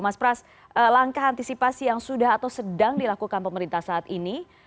mas pras langkah antisipasi yang sudah atau sedang dilakukan pemerintah saat ini